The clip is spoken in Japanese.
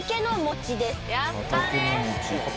やったね！